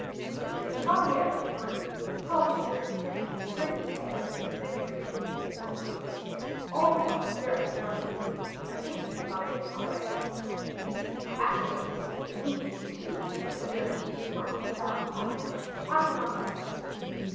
The chevalier left the room, called his different attendant with the greatest care, as if he were giving them different orders. All went off in various directions; but he retained his valet de chambre. "Ascertain, and immediately, too, of M. de Guiche is not in Madame's apartments. How can one learn it?"